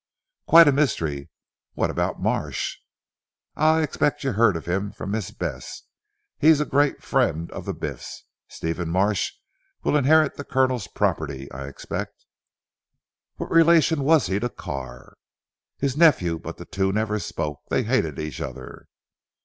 "Humph! Quite a mystery. What about Marsh?" "Ah I expect you heard of him from Miss Bess. He is a great friend of the Biffs. Stephen Marsh will inherit the Colonel's property I expect." "What relation was he to Carr?" "His nephew. But the two never spoke. They hated each other."